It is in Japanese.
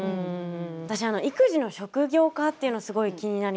私は「育児の職業化」というのがすごい気になりました。